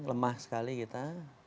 lemah sekali kita